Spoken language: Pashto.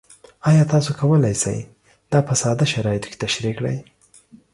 ایا تاسو کولی شئ دا په ساده شرایطو کې تشریح کړئ؟